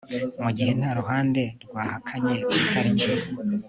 mu gihe nta ruhande rwahakanye ku itariki